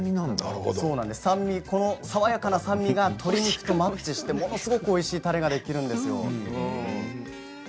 酸味、爽やかな酸味が鶏肉とマッチしてものすごくおいしいたれができるんですよ。